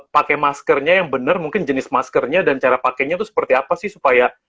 pakai maskernya yang benar mungkin jenis maskernya dan cara pakainya itu seperti apa sih supaya